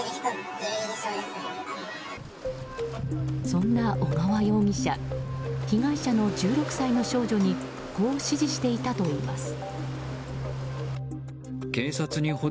そんな小川容疑者被害者の１６歳の少女にこう指示していたといいます。